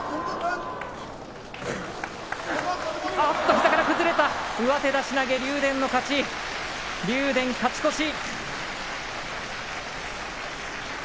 膝から崩れた上手出し投げ、竜電の勝ち竜電勝ち越し。